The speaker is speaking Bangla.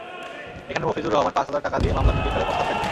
এখানে মফিজুর রহমান পাঁচ হাজার টাকা নিয়ে মামলা মিটিয়ে ফেলার প্রস্তাব দেন।